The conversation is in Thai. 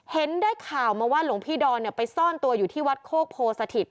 เห็นได้ข่าวมาว่าหลวงพี่ดอนไปซ่อนตัวอยู่ที่วัดโคกโพสถิต